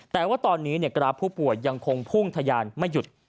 แต่ว่าตอนนี้กราฟผู้ป่วยยังคงพุ่งทะยานไม่หยุด